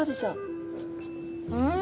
うん？